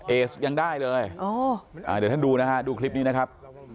เอสยังได้เลยเดี๋ยวท่านดูนะฮะดูคลิปนี้นะครับ